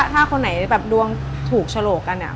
ถ้าคนไหนแบบดวงถูกฉลกกันเนี่ย